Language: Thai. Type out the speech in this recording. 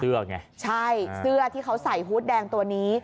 ไงใช่เสื้อที่เขาใส่ฮูตแดงตัวนี้